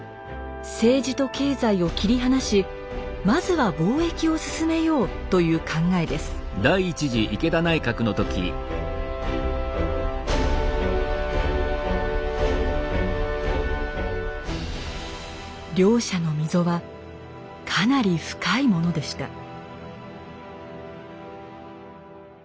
政治と経済を切り離しまずは貿易を進めようという考えです。両者の溝はかなり深いものでした。